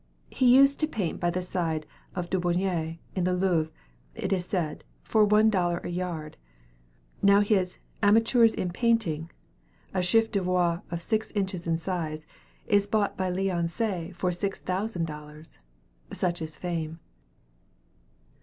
He used to paint by the side of Daubigny in the Louvre, it is said, for one dollar a yard. Now his "Amateurs in Painting," a chef d'oeuvre of six inches in size, is bought by Leon Say for six thousand dollars. Such is fame.